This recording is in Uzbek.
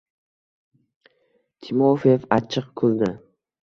Timofeev achchiq kuldi.